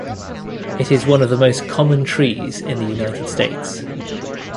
It is one of the most common trees in the United States.